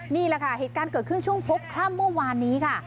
นี่แหละค่ะเหตุการณ์เกิดขึ้นช่วงพบค่ำเมื่อวานนี้ค่ะ